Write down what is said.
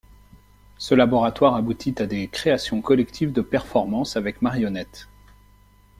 Ce laboratoire aboutit à des créations collectives de performances avec marionnettes.